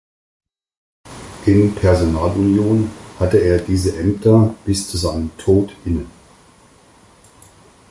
In Personalunion hatte er diese Ämter bis zu seinem Tod inne.